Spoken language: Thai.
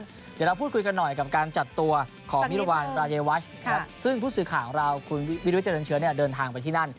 เดี๋ยวเราพูดคุยกันหน่อยกับการจัดตัวของมิรวรรณรายวัชซึ่งผู้สื่อข่าวของเราคุณวิรุธเจริญเชื้อเดินทางไปที่นั่น